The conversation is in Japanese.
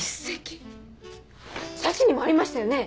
社史にもありましたよね？